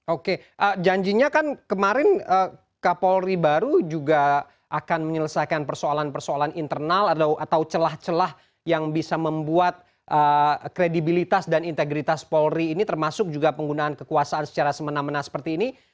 oke janjinya kan kemarin kapolri baru juga akan menyelesaikan persoalan persoalan internal atau celah celah yang bisa membuat kredibilitas dan integritas polri ini termasuk juga penggunaan kekuasaan secara semena mena seperti ini